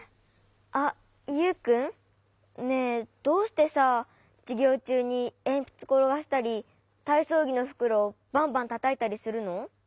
あっユウくん？ねえどうしてさじゅぎょうちゅうにえんぴつころがしたりたいそうぎのふくろバンバンたたいたりするの？